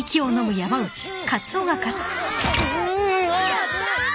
やったー！